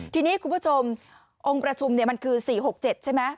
ทีนี้คุณผู้ชมองค์ประชุมมันคือ๔๖๗ใช่ไหม